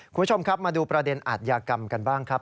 คุณผู้ชมครับมาดูประเด็นอาทยากรรมกันบ้างครับ